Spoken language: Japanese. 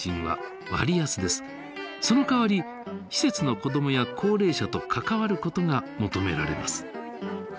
そのかわり施設の子どもや高齢者と関わることが求められます。